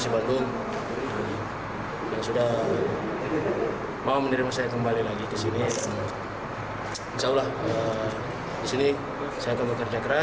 bandung sudah mau menerima saya kembali lagi ke sini insyaallah disini saya akan bekerja keras